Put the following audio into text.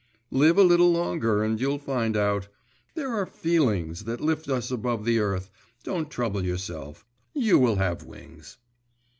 'Live a little longer and you'll find out. There are feelings that lift us above the earth. Don't trouble yourself, you will have wings.